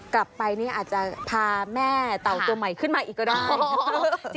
กลับไปนี่อาจจะพาแม่เต่าตัวใหม่ขึ้นมาอีกก็ได้